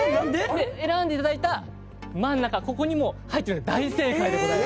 で選んでいただいた真ん中ここにも入ってるんで大正解でございます。